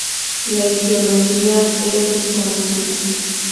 La etiología es desconocida.